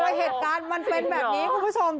แต่เหตุการณ์มันเป็นแบบนี้คุณผู้ชม